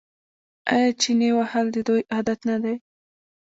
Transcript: آیا چنې وهل د دوی عادت نه دی؟